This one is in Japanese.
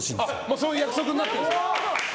そういう約束になってます。